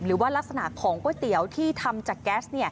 หรือว่ารักษณะของก๋วยเตี๋ยวที่ทำจากแก๊ส